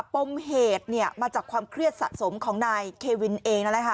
ปมเหตุมาจากความเครียดสะสมของนายเควินเองนั่นแหละค่ะ